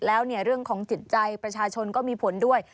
แล้วเรื่องของจิตใจประชาชนก็มีผลด้วย